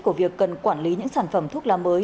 của việc cần quản lý những sản phẩm thuốc lá mới